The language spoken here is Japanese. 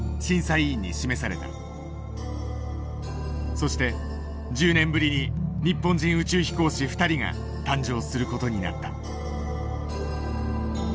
そして１０年ぶりに日本人宇宙飛行士２人が誕生する事になった。